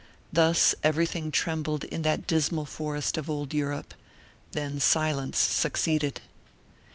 Thus everything trembled in that dismal forest of old Europe; then silence succeeded.